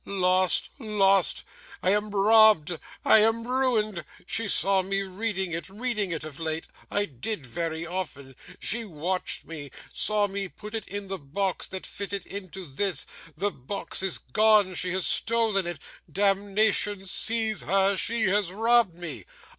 Lost, lost! I am robbed, I am ruined! She saw me reading it reading it of late I did very often She watched me, saw me put it in the box that fitted into this, the box is gone, she has stolen it. Damnation seize her, she has robbed me!